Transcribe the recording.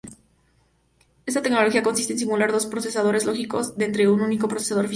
Ésta tecnología consiste en simular dos procesadores lógicos dentro de un único procesador físico.